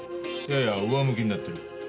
やや上向きになってる。